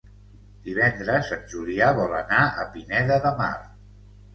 Divendres en Julià vol anar a Pineda de Mar.